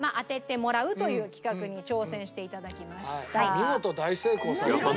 見事大成功されてね」